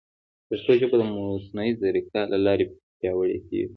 پښتو ژبه د مصنوعي ځیرکتیا له لارې پیاوړې کیږي.